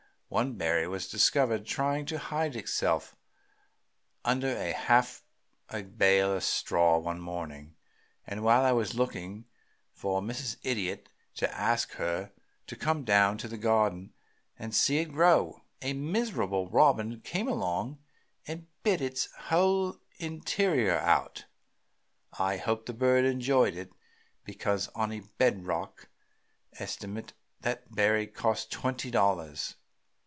One berry was discovered trying to hide itself under half a bale of straw one morning, and while I was looking for Mrs. Idiot, to ask her to come down to the garden and see it grow, a miserable robin came along and bit its whole interior out. I hope the bird enjoyed it, because on a bed rock estimate that berry cost twenty dollars.